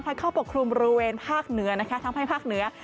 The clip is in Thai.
เข้าปกคลุมบริเวณภาคเหนือนะคะทำให้ภาคเหนือ